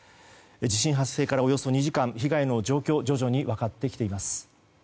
地震発生からおよそ２時間被害の状況が徐々に分かってきています。